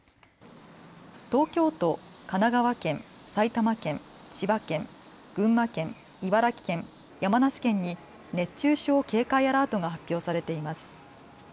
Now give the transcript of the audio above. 東京都、神奈川県、埼玉県、千葉県、群馬県、茨城県、山梨県に熱中症警戒アラートが発表されています。